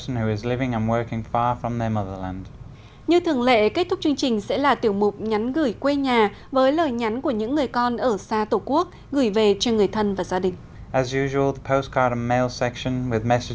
như thường lệ kết thúc chương trình sẽ là tiểu mục nhắn gửi quê nhà với lời nhắn của những người con ở xa tổ quốc gửi về cho người thân và gia đình